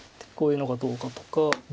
こういうのがどうかとか。